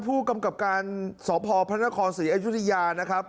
ผู้กำกับการสพพระนครศรีอยุธยานะครับ